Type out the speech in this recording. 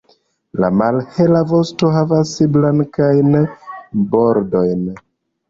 La malhela vosto havas blankajn bordojn.